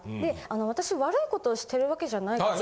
私悪いことをしてるわけじゃないから。